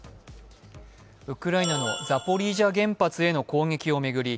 ウクライナのザポリージャ原発への攻撃を巡り